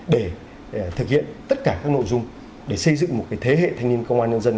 để thực hiện tất cả các nội dung để xây dựng một thế hệ thanh niên công an nhân dân